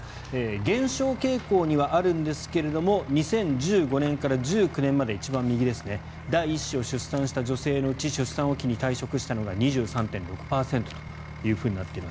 減少傾向にはあるんですが２０１５年から１９年まで一番右ですが第１子を出産した女性で出産を機に退職したのが２３．６％となっています。